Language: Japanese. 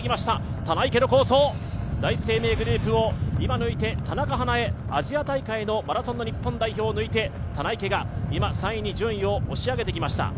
棚池の好走、第一生命グループを今抜いて、田中華絵、アジア大会のマラソンの日本代表を抜いて棚池が今、３位に順位を押し上げてきました。